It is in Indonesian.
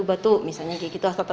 satu ruas dengan alasnya rumput